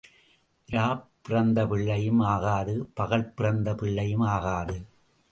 இராப் பிறந்த பிள்ளையும் ஆகாது பகல் பிறந்த பிள்ளையும் ஆகாது.